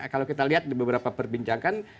kalau kita lihat di beberapa perbincangan